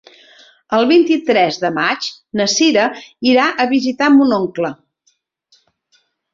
El vint-i-tres de maig na Cira irà a visitar mon oncle.